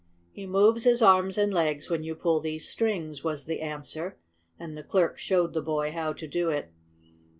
"He moves his arms and legs when you pull these strings," was the answer, and the clerk showed the boy how to do it.